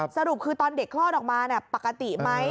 สรุปคือตอนเด็กคลอดออกมาปกติไหม